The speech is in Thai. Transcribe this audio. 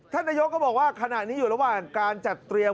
นายกก็บอกว่าขณะนี้อยู่ระหว่างการจัดเตรียม